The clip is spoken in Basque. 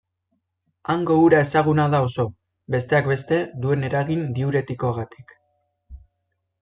Hango ura ezaguna da oso, besteak beste, duen eragin diuretikoagatik.